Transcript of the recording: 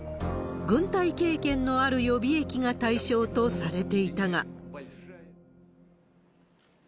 軍隊経験のある予備役が対象とされていたが。